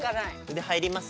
腕入ります？